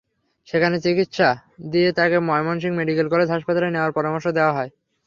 সেখানে চিকিৎসা দিয়ে তাঁকে ময়মনসিংহ মেডিকেল কলেজ হাসপাতালে নেওয়ার পরামর্শ দেওয়া হয়।